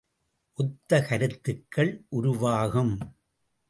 ஒத்த கருத்துக்கள் உருவாகும்.